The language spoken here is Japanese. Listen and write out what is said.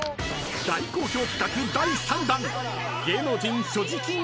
［大好評企画第３弾］